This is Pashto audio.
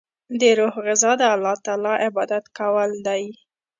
د روح غذا د الله تعالی عبادت کول دی.